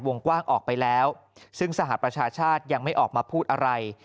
วงกว้างออกไปแล้วซึ่งสหประชาชาติยังไม่ออกมาพูดอะไร